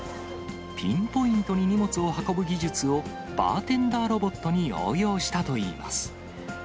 ピンポイントに荷物を運ぶ技術を、バーテンダーロボットに応用したといいます。